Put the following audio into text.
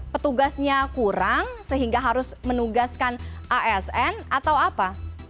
petugasnya kurang sehingga harus menugaskan asn atau apa